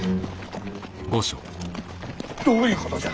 どういうことじゃ！